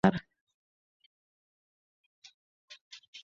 گهيځ ، گلورين ، لونگين ، لېوال ، لرغون ، لونگ ، لمر